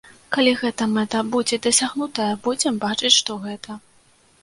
Калі гэтая мэта будзе дасягнутая, будзем бачыць, што гэта.